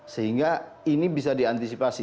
sehingga ini bisa diantisipasi